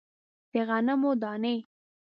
د غنمو دانې